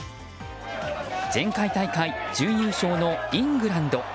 前回大会準優勝のイングランド。